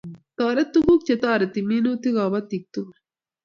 Toret tukuk chetoreti minutik kapotik tukul